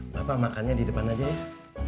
bapak makannya di depan aja ya